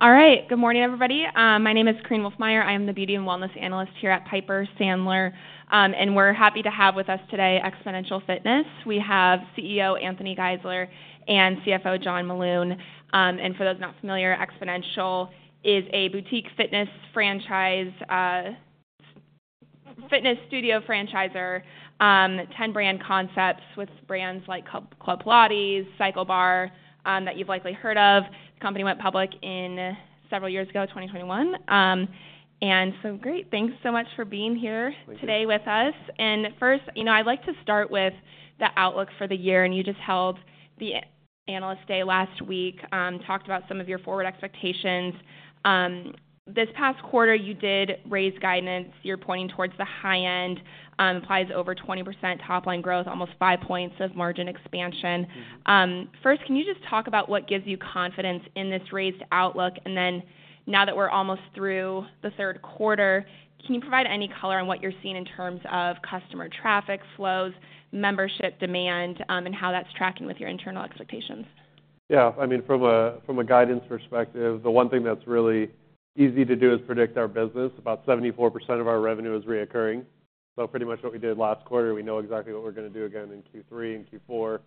All right. Good morning, everybody. My name is Korinne Wolfmeyer. I am the beauty and wellness analyst here at Piper Sandler, and we're happy to have with us today Xponential Fitness. We have CEO Anthony Geisler and CFO John Meloun. And for those not familiar, Xponential is a boutique fitness franchise, fitness studio franchisor, 10 brand concepts with brands like Club Pilates, CycleBar, that you've likely heard of. The company went public several years ago, 2021. And so great, thanks so much for being here today with us. And first, you know, I'd like to start with the outlook for the year, and you just held the analyst day last week, talked about some of your forward expectations. This past quarter, you did raise guidance. You're pointing towards the high end, implies over 20% top line growth, almost five points of margin expansion. First, can you just talk about what gives you confidence in this raised outlook? And then, now that we're almost through the third quarter, can you provide any color on what you're seeing in terms of customer traffic flows, membership demand, and how that's tracking with your internal expectations? Yeah, I mean, from a guidance perspective, the one thing that's really easy to do is predict our business. About 74% of our revenue is recurring. So pretty much what we did last quarter, we know exactly what we're going to do again in third quarter and fourth quarter.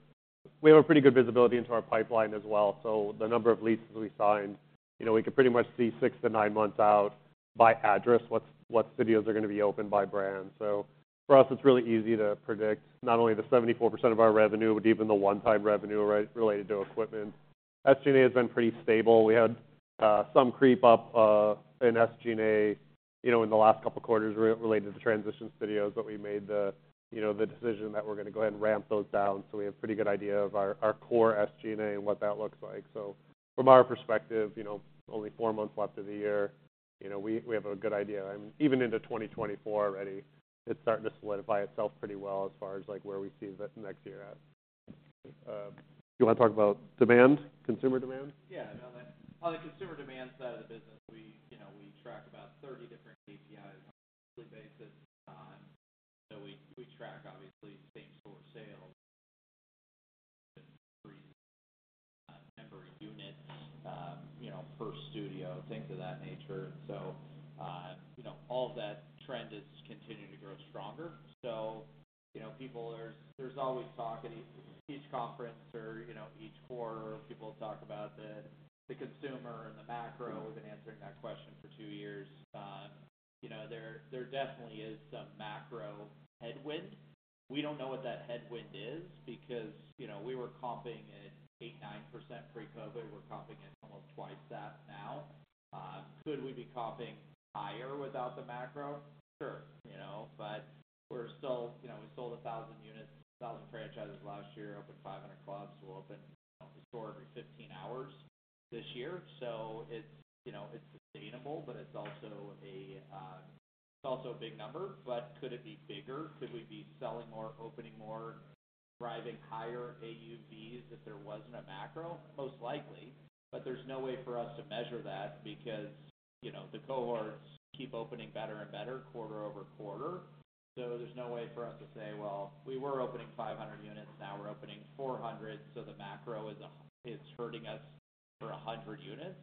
We have a pretty good visibility into our pipeline as well. So the number of leases we signed, you know, we can pretty much see six to nine months out by address, what studios are going to be open by brand. So for us, it's really easy to predict not only the 74% of our revenue, but even the one-time revenue related to equipment. SG&A has been pretty stable. We had some creep up in SG&A, you know, in the last couple of quarters related to transition studios, but we made the, you know, the decision that we're going to go ahead and ramp those down. So we have a pretty good idea of our core SG&A and what that looks like. So from our perspective, you know, only four months left of the year, you know, we have a good idea. I mean, even into 2024 already, it's starting to solidify itself pretty well as far as, like, where we see the next year at. You want to talk about demand, consumer demand? Yeah. On the, on the consumer demand side of the business, we, you know, we track about 30 different KPIs on a monthly basis. So we, we track obviously things for sale, member units, you know, per studio, things of that nature. So, you know, all that trend is continuing to grow stronger. So, you know, people—there's always talk at each conference or, you know, each quarter, people talk about the consumer and the macro. We've been answering that question for two years. You know, there definitely is some macro headwind. We don't know what that headwind is because, you know, we were comping at 8%, 9% pre-COVID. We're comping at almost twice that now. Could we be comping higher without the macro? Sure, you know, but we're still... You know, we sold 1,000 units, 1,000 franchises last year, opened 500 clubs. We're opening a store every 15 hours this year. So it's, you know, it's sustainable, but it's also a, it's also a big number. But could it be bigger? Could we be selling more, opening more, driving higher AUVs if there wasn't a macro? Most likely, but there's no way for us to measure that because, you know, the cohorts keep opening better and better quarter-over-quarter. So there's no way for us to say, "Well, we were opening 500 units, now we're opening 400, so the macro is hurting us for 100 units."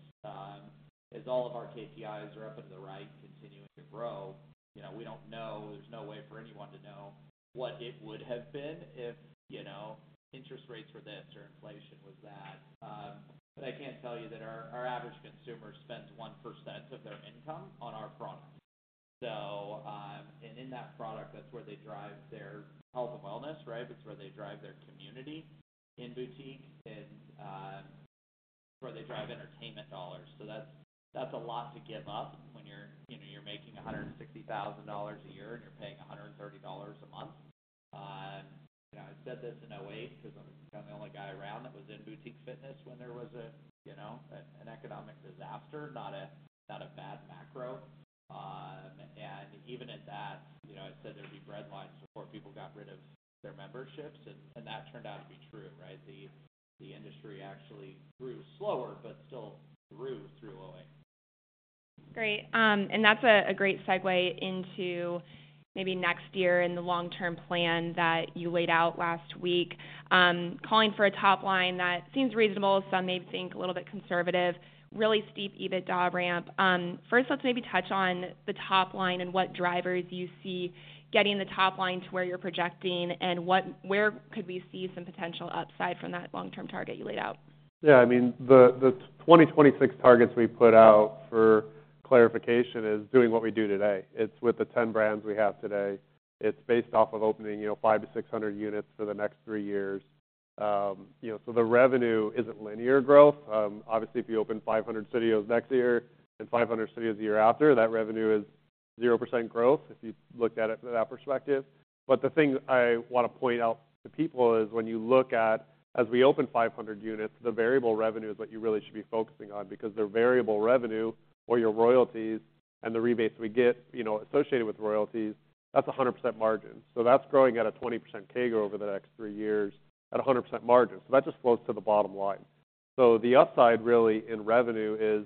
As all of our KPIs are up and to the right, continuing to grow, you know, we don't know. There's no way for anyone to know what it would have been if, you know, interest rates were this or inflation was that. But I can tell you that our, our average consumer spends 1% of their income on our product. So, and in that product, that's where they drive their health and wellness, right? It's where they drive their community in boutique, and, it's where they drive entertainment dollars. So that's, that's a lot to give up when you're, you know, you're making $160,000 a year, and you're paying $130 a month. You know, I said this in 2008, because I'm, I'm the only guy around that was in boutique fitness when there was a, you know, an economic disaster, not a, not a bad macro. And even at that, you know, I said there'd be bread lines before people got rid of their memberships, and that turned out to be true, right? The industry actually grew slower, but still grew through 2008. Great. That's a great segue into maybe next year and the long-term plan that you laid out last week. Calling for a top line that seems reasonable, some may think a little bit conservative, really steep EBITDA ramp. First, let's maybe touch on the top line and what drivers you see getting the top line to where you're projecting, and what, where could we see some potential upside from that long-term target you laid out? Yeah, I mean, the 2026 targets we put out for clarification is doing what we do today. It's with the 10 brands we have today. It's based off of opening, you know, 500-600 units for the next three years. You know, so the revenue isn't linear growth. Obviously, if you open 500 studios next year and 500 studios the year after, that revenue is 0% growth, if you looked at it from that perspective. But the thing I want to point out to people is when you look at, as we open 500 units, the variable revenue is what you really should be focusing on, because their variable revenue or your royalties and the rebates we get, you know, associated with royalties, that's 100% margin. So that's growing at a 20% CAGR over the next three years at a 100% margin. So that just flows to the bottom line. So the upside really in revenue is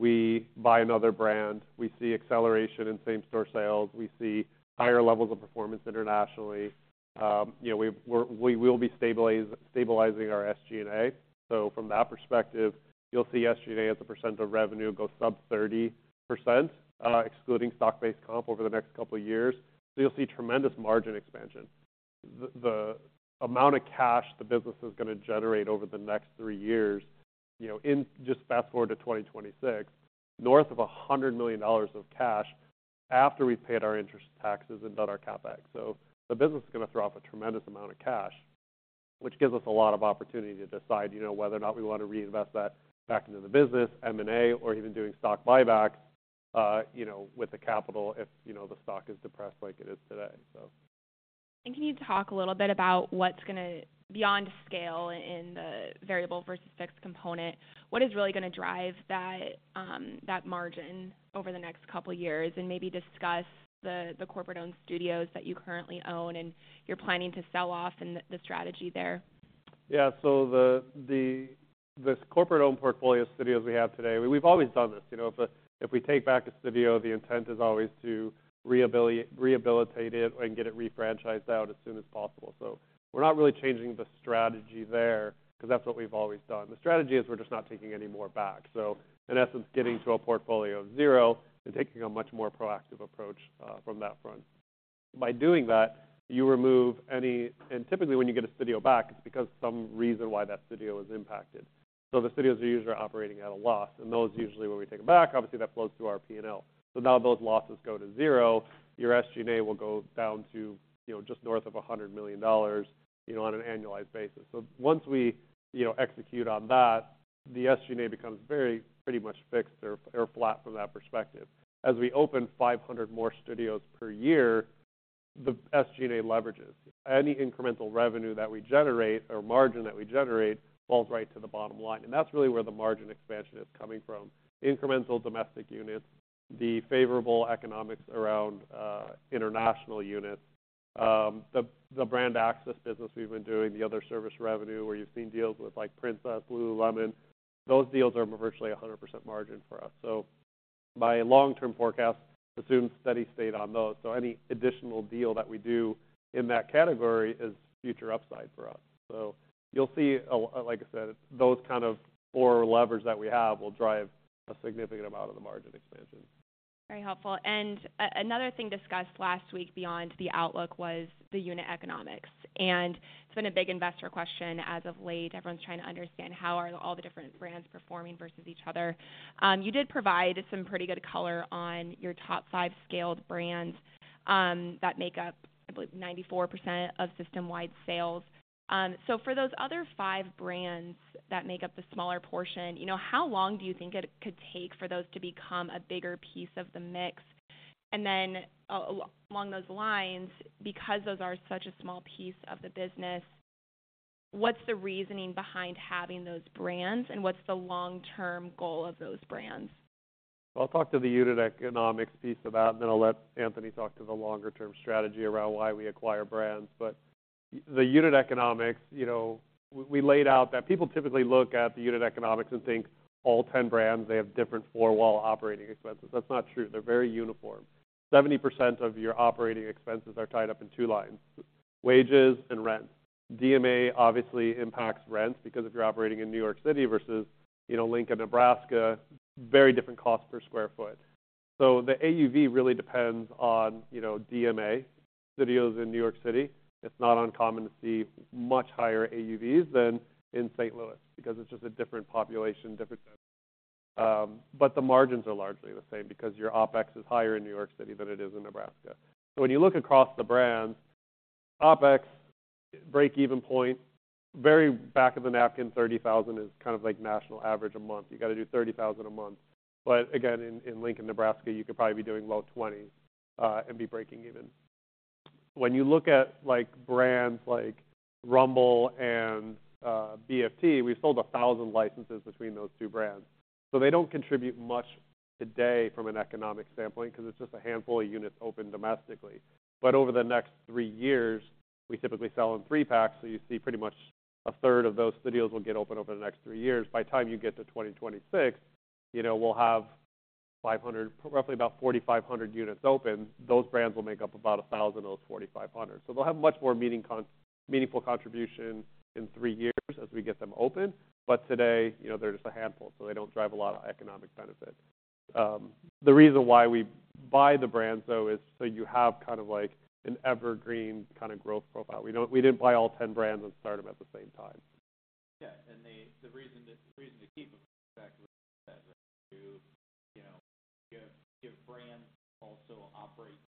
we buy another brand, we see acceleration in same-store sales, we see higher levels of performance internationally. You know, we will be stabilizing our SG&A. So from that perspective, you'll see SG&A as a percent of revenue go sub 30%, excluding stock-based comp over the next couple of years. So you'll see tremendous margin expansion. The amount of cash the business is gonna generate over the next three years, you know. Just fast-forward to 2026, north of $100 million of cash after we've paid our interest taxes and done our CapEx. So the business is gonna throw off a tremendous amount of cash, which gives us a lot of opportunity to decide, you know, whether or not we want to reinvest that back into the business, M&A, or even doing stock buybacks, you know, with the capital, if, you know, the stock is depressed like it is today, so. Can you talk a little bit about what's gonna, beyond scale in the variable versus fixed component, what is really gonna drive that, that margin over the next couple of years? Maybe discuss the corporate-owned studios that you currently own and you're planning to sell off and the strategy there. Yeah, so the this corporate-owned portfolio of studios we have today, we've always done this. You know, if we take back a studio, the intent is always to rehabilitate it and get it refranchised out as soon as possible. So we're not really changing the strategy there, 'cause that's what we've always done. The strategy is we're just not taking any more back. So in essence, getting to a portfolio of zero and taking a much more proactive approach from that front. By doing that, you remove any and typically, when you get a studio back, it's because of some reason why that studio is impacted. So the studios are usually operating at a loss, and those, usually, when we take them back, obviously, that flows through our P&L. So now those losses go to zero. Your SG&A will go down to, you know, just north of $100 million, you know, on an annualized basis. So once we, you know, execute on that, the SG&A becomes very pretty much fixed or, or flat from that perspective. As we open 500 more studios per year, the SG&A leverages. Any incremental revenue that we generate or margin that we generate, falls right to the bottom line, and that's really where the margin expansion is coming from. Incremental domestic units, the favorable economics around international units, the brand access business we've been doing, the other service revenue, where you've seen deals with, like, Princess, Lululemon, those deals are virtually 100% margin for us. So my long-term forecast assumes steady state on those, so any additional deal that we do in that category is future upside for us. So you'll see, like I said, those kind of four levers that we have will drive a significant amount of the margin expansion. Very helpful. Another thing discussed last week beyond the outlook was the unit economics, and it's been a big investor question as of late. Everyone's trying to understand how are all the different brands performing versus each other. You did provide some pretty good color on your top five scaled brands that make up, I believe, 94% of system-wide sales. So for those other five brands that make up the smaller portion, you know, how long do you think it could take for those to become a bigger piece of the mix? And then along those lines, because those are such a small piece of the business, what's the reasoning behind having those brands, and what's the long-term goal of those brands? I'll talk to the unit economics piece of that, and then I'll let Anthony talk to the longer-term strategy around why we acquire brands. But the unit economics, you know, we laid out that people typically look at the unit economics and think all 10 brands, they have different four-wall operating expenses. That's not true. They're very uniform. 70% of your operating expenses are tied up in two lines: wages and rent. DMA obviously impacts rents, because if you're operating in New York City versus, you know, Lincoln, Nebraska, very different cost per square foot. So the AUV really depends on, you know, DMA. Studios in New York City, it's not uncommon to see much higher AUVs than in St. Louis, because it's just a different population, different. But the margins are largely the same because your OpEx is higher in New York City than it is in Nebraska. So when you look across the brands, OpEx break-even point, very back-of-the-napkin, $30,000 is kind of like national average a month. You got to do $30,000 a month. But again, in, in Lincoln, Nebraska, you could probably be doing low $20,000 and be breaking even. When you look at, like, brands like Rumble and BFT, we've sold 1,000 licenses between those two brands. So they don't contribute much today from an economic standpoint, 'cause it's just a handful of units open domestically. But over the next three years, we typically sell in three-packs, so you see pretty much a third of those studios will get open over the next three years. By the time you get to 2026, you know, we'll have 500, roughly about 4,500 units open. Those brands will make up about 1,000 of those 4,500. So they'll have much more meaningful contribution in three years as we get them open. But today, you know, they're just a handful, so they don't drive a lot of economic benefit. The reason why we buy the brands, though, is so you have kind of like an evergreen kind of growth profile. We didn't buy all 10 brands and start them at the same time. Yeah, and the reason to keep them is that, you know, you have brands also operate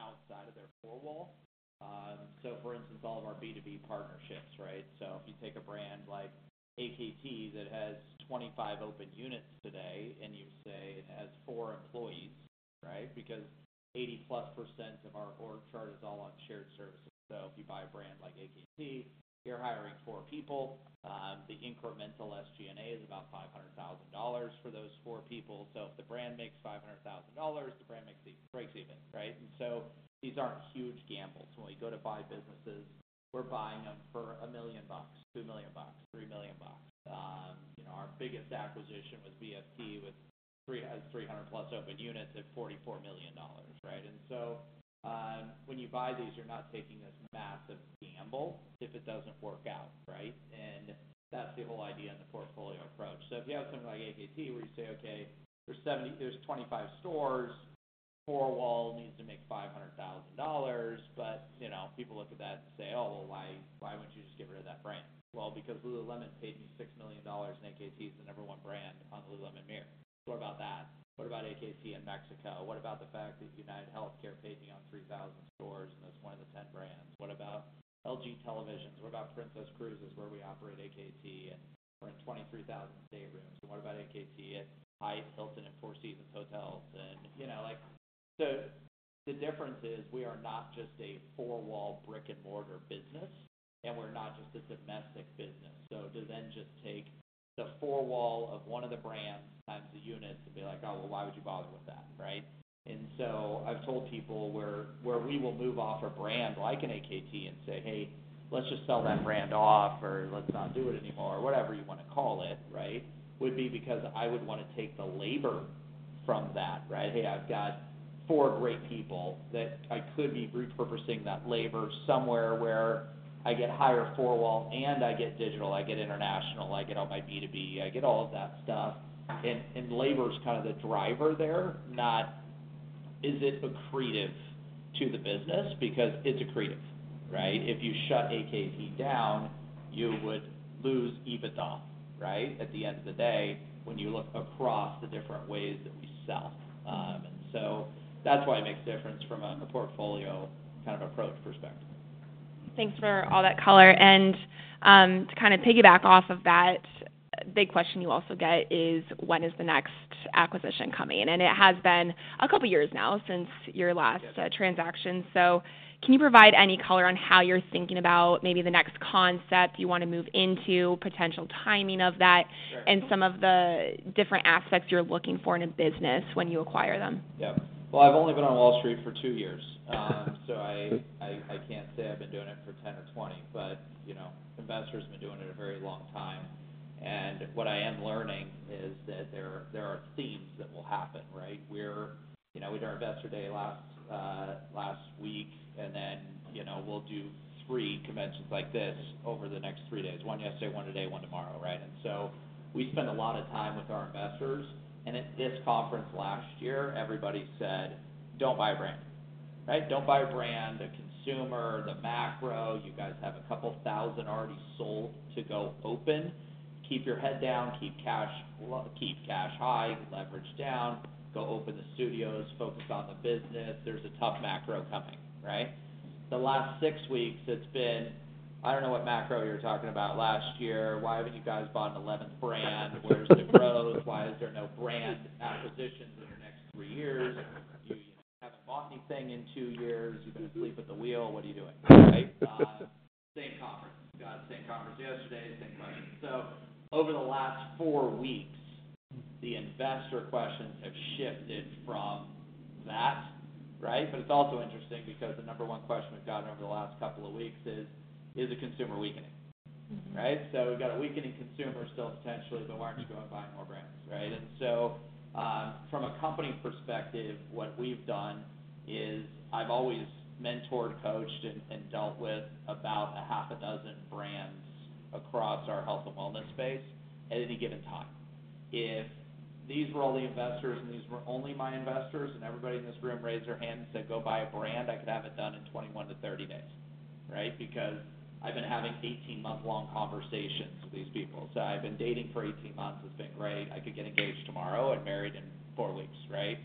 outside of their four wall. So for instance, all of our B2B partnerships, right? So if you take a brand like AKT, that has 25 open units today, and you say, it has four employees, right? Because 80% plus of our org chart is all on shared services. So if you buy a brand like AKT, you're hiring four people. The incremental SG&A is dollars for those four people. So if the brand makes $500,000, the brand makes, breaks even, right? And so these aren't huge gambles. When we go to buy businesses, we're buying them for $1 million, $2 million, $3 million. You know, our biggest acquisition was BFT, with—has 300 plus open units at $44 million, right? And so, when you buy these, you're not taking this massive gamble if it doesn't work out, right? And that's the whole idea in the portfolio approach. So if you have something like AKT, where you say, "Okay, there's 25 stores, four walls needs to make $500,000," but, you know, people look at that and say, "Oh, well, why, why wouldn't you just get rid of that brand?" Well, because lululemon paid me $6 million, and AKT is the number one brand on the Lululemon Mirror. What about that? What about AKT in Mexico? What about the fact that UnitedHealthcare paid me on 3,000 stores, and that's one of the 10 brands? What about LG televisions? What about Princess Cruises, where we operate AKT, and we're in 23,000 staterooms? And what about AKT at Hyatt, Hilton, and Four Seasons Hotels? And, you know, like, so the difference is, we are not just a four-wall, brick-and-mortar business, and we're not just a domestic business. So to then just take the four wall of one of the brands times the units and be like, "Oh, well, why would you bother with that?" Right? And so I've told people where, where we will move off a brand like an AKT and say, "Hey, let's just sell that brand off," or, "Let's not do it anymore," or whatever you want to call it, right, would be because I would want to take the labor from that, right? Hey, I've got four great people that I could be repurposing that labor somewhere where I get higher four wall, and I get digital, I get international, I get all my B2B, I get all of that stuff. And, and labor is kind of the driver there, not is it accretive to the business? Because it's accretive, right? If you shut AKT down, you would lose EBITDA, right? At the end of the day, when you look across the different ways that we sell. And so that's why it makes a difference from a portfolio kind of approach perspective. Thanks for all that color. And, to kind of piggyback off of that, a big question you also get is: When is the next acquisition coming? And it has been a couple of years now since your last transaction. Yes. Can you provide any color on how you're thinking about maybe the next concept you want to move into, potential timing of that? Sure. And some of the different aspects you're looking for in a business when you acquire them? Yeah. Well, I've only been on Wall Street for two years. So I can't say I've been doing it for 10 or 20, but, you know, investors have been doing it a very long time. What I am learning is that there are themes that will happen, right? You know, we did our Investor Day last week, and then, you know, we'll do three conventions like this over the next three days. One yesterday, one today, one tomorrow, right? And so we spend a lot of time with our investors, and at this conference last year, everybody said, "Don't buy a brand." Right? "Don't buy a brand. The consumer, the macro, you guys have a couple thousand already sold to go open. Keep your head down, keep cash high, leverage down, go open the studios, focus on the business. There's a tough macro coming," right? The last six weeks, it's been: "I don't know what macro you're talking about last year. Why haven't you guys bought an 11th brand?" "Where's the growth? Why is there no brand acquisitions in the next three years? You haven't bought anything in two years. You've been asleep at the wheel. What are you doing?" Right? Same conference. We got the same conference yesterday, same question. So over the last four weeks, the investor questions have shifted from that, right? But it's also interesting because the number one question we've gotten over the last couple of weeks is: Is the consumer weakening? Mm-hmm. Right? So we've got a weakening consumer still, potentially, but why aren't you going buying more brands, right? And so, from a company perspective, what we've done is I've always mentored, coached, and dealt with about six brands across our health and wellness space at any given time. If these were all the investors, and these were only my investors, and everybody in this room raised their hand and said, "Go buy a brand," I could have it done in 21 to 30 days, right? Because I've been having 18-month-long conversations with these people. So I've been dating for 18 months. It's been great. I could get engaged tomorrow and married in four weeks, right?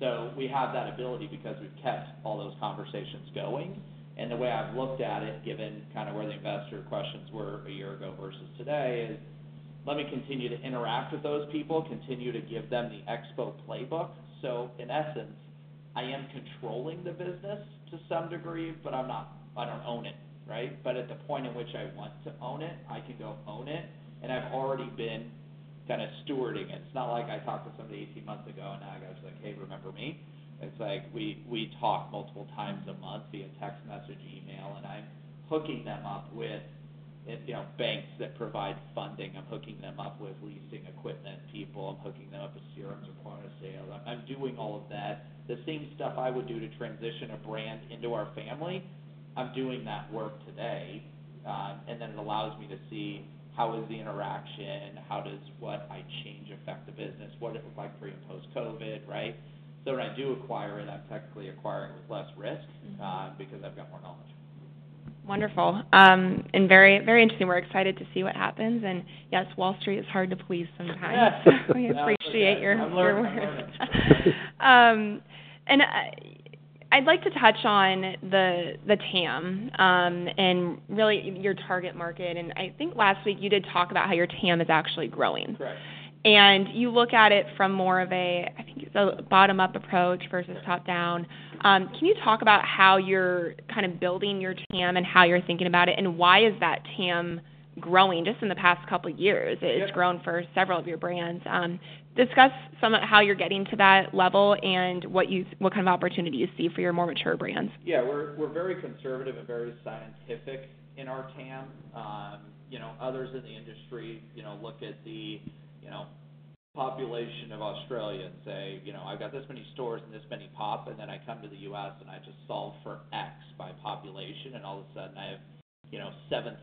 So we have that ability because we've kept all those conversations going. And the way I've looked at it, given kind of where the investor questions were a year ago versus today, is, let me continue to interact with those people, continue to give them the Xpo playbook. So in essence, I am controlling the business to some degree, but I'm not. I don't own it, right? But at the point at which I want to own it, I can go own it, and I've already been kind of stewarding it. It's not like I talked to somebody 18 months ago, and now I go, I was like, "Hey, remember me?" It's like, we, we talk multiple times a month via text message, email, and I'm hooking them up with, you know, banks that provide funding. I'm hooking them up with leasing equipment people. I'm hooking them up with CRMs or point of sale. I'm doing all of that. The same stuff I would do to transition a brand into our family, I'm doing that work today, and then it allows me to see how is the interaction, and how does what I change affect the business? What is it like pre- and post-COVID, right? So when I do acquire it, I'm technically acquiring with less risk... Mm-hmm. Because I've got more knowledge. Wonderful, and very, very interesting. We're excited to see what happens. And yes, Wall Street is hard to please sometimes. Yes! We appreciate your... I'm learning. I'm learning. I'd like to touch on the TAM and really your target market. I think last week you did talk about how your TAM is actually growing. Right. You look at it from more of a, I think, a bottom-up approach versus top-down. Can you talk about how you're kind of building your TAM, and how you're thinking about it, and why is that TAM growing? Just in the past couple of years... Yeah It's grown for several of your brands. Discuss some of how you're getting to that level, and what kind of opportunity you see for your more mature brands. Yeah, we're very conservative and very scientific in our TAM. You know, others in the industry, you know, look at the, you know, population of Australia and say: You know, I've got this many stores and this many pop, and then I come to the US, and I just solve for X by population, and all of a sudden I have, you know, 7,000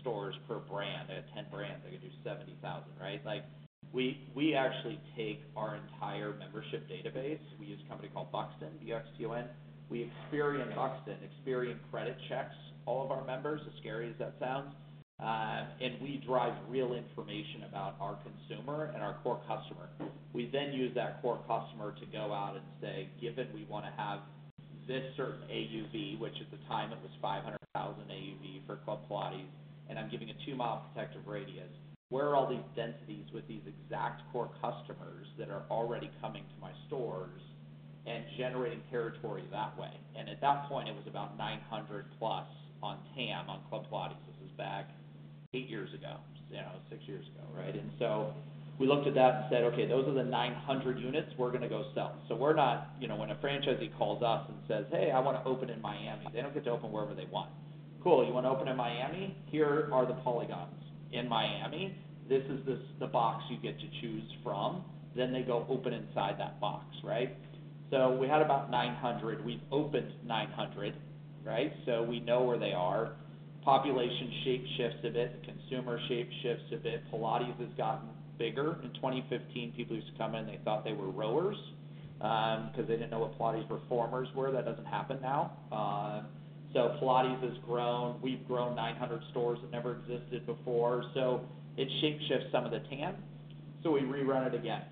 stores per brand. I have 10 brands, I can do 70,000, right? Like, we actually take our entire membership database. We use a company called Buxton, B-U-X-T-O-N. We Experian Buxton, Experian credit checks all of our members, as scary as that sounds. And we drive real information about our consumer and our core customer. We then use that core customer to go out and say, "Given we wanna have this certain AUV," which at the time it was $500,000 AUV for Club Pilates, and I'm giving a 2-mile protective radius. Where are all these densities with these exact core customers that are already coming to my stores, and generating territory that way? And at that point, it was about 900 plus on TAM, on Club Pilates. This is back eight years ago, you know, six years ago, right? And so we looked at that and said, "Okay, those are the 900 units we're gonna go sell." So we're not... You know, when a franchisee calls us and says: "Hey, I wanna open in Miami." They don't get to open wherever they want. Cool, you wanna open in Miami? Here are the polygons in Miami. This is the box you get to choose from. Then they go open inside that box, right? So we had about 900. We opened 900, right? So we know where they are. Population shape shifts a bit, consumer shape shifts a bit. Pilates has gotten bigger. In 2015, people used to come in, they thought they were rowers, because they didn't know what Pilates reformers were. That doesn't happen now. So Pilates has grown. We've grown 900 stores that never existed before, so it shape-shifts some of the TAM. So we rerun it again,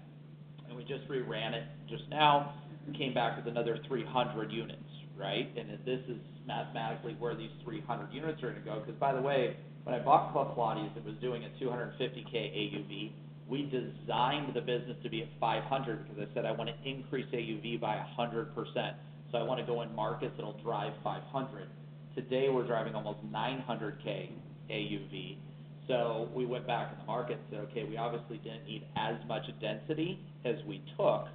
and we just reran it just now, and came back with another 300 units, right? And this is mathematically where these 300 units are gonna go. Because, by the way, when I bought Club Pilates, it was doing a $250K AUV. We designed the business to be at $500, because I said: I want to increase AUV by 100%, so I want to go in markets that'll drive $500. Today, we're driving almost $900K AUV. So we went back in the market and said, "Okay, we obviously didn't need as much density as we took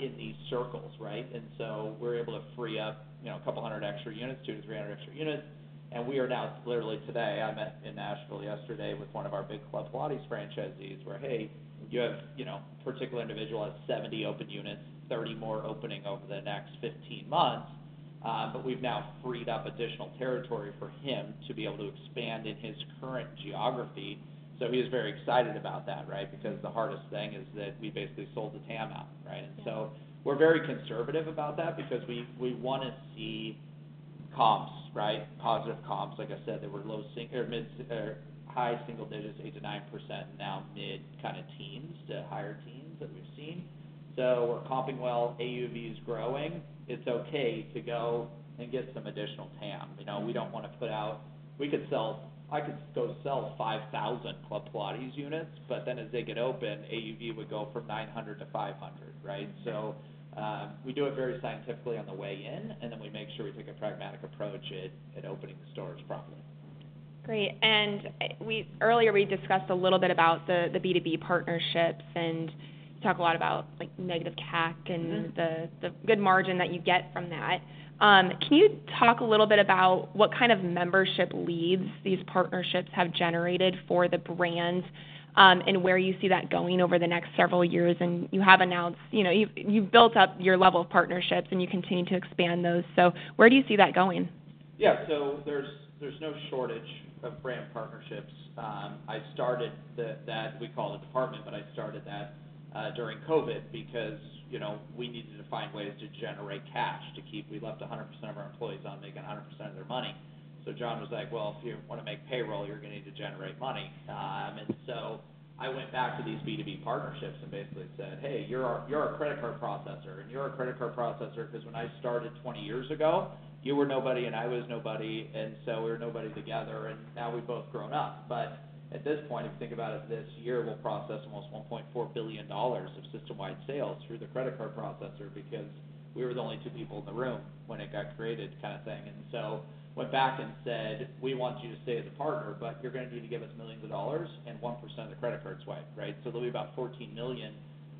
in these circles, right?" And so we're able to free up, you know, a couple hundred extra units, 200-300 extra units, and we are now, literally today, I met in Nashville yesterday with one of our big Club Pilates franchisees, where, hey, you have, you know, a particular individual has 70 open units, 30 more opening over the next 15 months. But we've now freed up additional territory for him to be able to expand in his current geography. So he is very excited about that, right? Because the hardest thing is that we basically sold the TAM out, right? Yeah. We're very conservative about that because we wanna see comps, right? Positive comps. Like I said, they were low single or mid, high single digits, 8% to 9%, now mid kind of teens to higher teens that we've seen. So we're comping well, AUV is growing. It's okay to go and get some additional TAM. You know, we don't wanna put out... We could sell. I could go sell 5,000 Club Pilates units, but then as they get open, AUV would go from 900 to 500, right? Mm-hmm. We do it very scientifically on the way in, and then we make sure we take a pragmatic approach at opening the stores properly. Great. And earlier, we discussed a little bit about the B2B partnerships, and you talk a lot about, like, negative CAC... Mm-hmm And the good margin that you get from that. Can you talk a little bit about what kind of membership leads these partnerships have generated for the brand, and where you see that going over the next several years? And you have announced... You know, you've built up your level of partnerships, and you continue to expand those. So where do you see that going? Yeah. So there's no shortage of brand partnerships. I started that we call it a department, but I started that during COVID because, you know, we needed to find ways to generate cash to keep, we left 100% of our employees out making 100% of their money. So John was like: "Well, if you want to make payroll, you're gonna need to generate money." And so I went back to these B2B partnerships and basically said: Hey, you're our credit card processor, and you're a credit card processor because when I started 20 years ago, you were nobody, and I was nobody, and so we were nobody together, and now we've both grown up. But at this point, if you think about it, this year, we'll process almost $1.4 billion of system-wide sales through the credit card processor, because we were the only two people in the room when it got created, kind of thing. And so went back and said: We want you to stay as a partner, but you're gonna need to give us millions of dollars and 1% of the credit card swipe, right? So there'll be about $14 million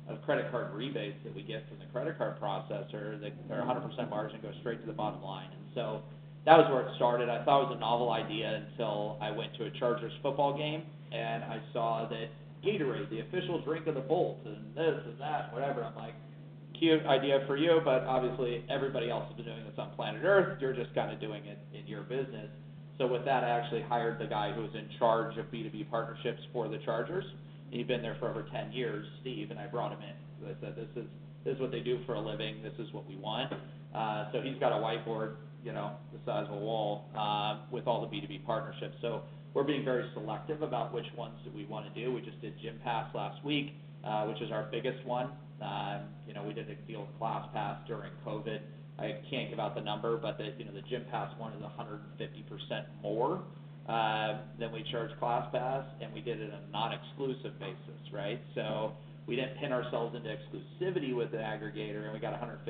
of credit card rebates that we get from the credit card processor, that are 100% margin, goes straight to the bottom line. And so that was where it started. I thought it was a novel idea until I went to a Chargers football game, and I saw that Gatorade, the official drink of the Bolts, and this and that, whatever. I'm like: Cute idea for you, but obviously everybody else has been doing this on planet Earth. You're just kind of doing it in your business. So with that, I actually hired the guy who was in charge of B2B partnerships for the Chargers, and he'd been there for over 10 years, Steve, and I brought him in. So I said, "This is, this is what they do for a living. This is what we want." So he's got a whiteboard, you know, the size of a wall, with all the B2B partnerships. So we're being very selective about which ones that we wanna do. We just did Gympass last week, which is our biggest one. You know, we did a deal with ClassPass during COVID. I can't give out the number, but the, you know, the Gympass one is 150% more than we charged ClassPass, and we did it on a non-exclusive basis, right? So we didn't pin ourselves into exclusivity with the aggregator, and we got 150%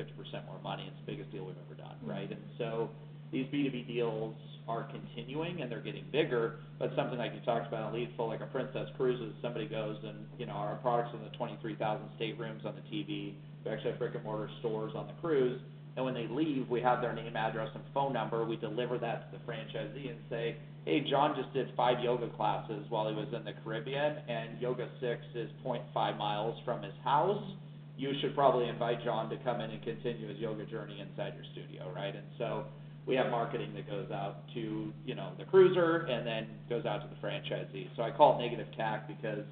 more money. It's the biggest deal we've ever done, right? Mm-hmm. And so these B2B deals are continuing, and they're getting bigger. But something like you talked about, a lead flow, like a Princess Cruises, somebody goes and, you know, our products in the 23,000 staterooms on the TV. We actually have brick-and-mortar stores on the cruise, and when they leave, we have their name, address, and phone number. We deliver that to the franchisee and say, "Hey, John just did five yoga classes while he was in the Caribbean, and YogaSix is 0.5 miles from his house. You should probably invite John to come in and continue his yoga journey inside your studio," right? And so we have marketing that goes out to, you know, the cruiser and then goes out to the franchisee. So I call it negative CAC because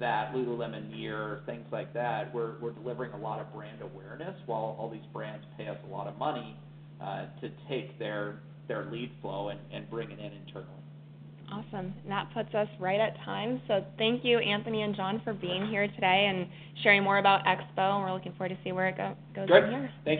that Lululemon Mirror, things like that, we're delivering a lot of brand awareness, while all these brands pay us a lot of money to take their lead flow and bring it in internally. Awesome. That puts us right at time. Thank you, Anthony and John, for being here today and sharing more about Expo, and we're looking forward to see where it goes from here.